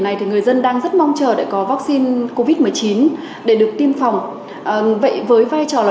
này thì người dân đang rất mong chờ để có vaccine covid một mươi chín để được tiêm phòng vậy với vai trò là